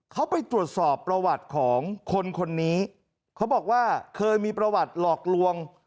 เขาไปตรวจสอบประวัติของคนคนนี้เขาบอกว่าเคยมีประวัติหลอกลวง